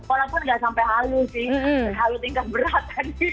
walaupun gak sampai halu sih halu tingkat berat